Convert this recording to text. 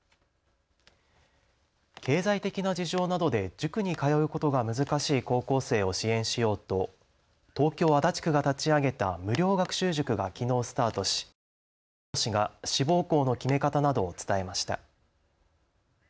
経済的な事情などで塾に通うことが難しい高校生を支援しようと東京足立区が立ち上げた無料学習塾がきのうスタートし講師が志望校の決め方などを伝えました。